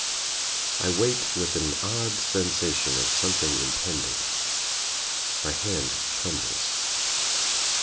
I wait with an odd sensation of something impending. My hand trembles.